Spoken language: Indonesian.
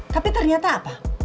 tapi ternyata apa